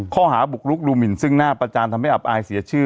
ข้อหาบุกลุกดูหมินซึ่งหน้าประจานทำให้อับอายเสียชื่อ